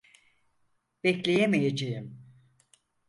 Bekleyemeyeceğim.